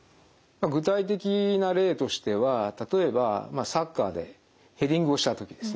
具体的な例としては例えばサッカーでヘディングをしたときですね。